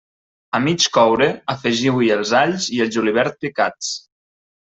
A mig coure, afegiu-hi els alls i el julivert picats.